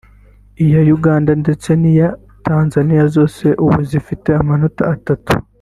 iya Uganda ndetse n’iya Tanzania zose ubu zifite amanota atatu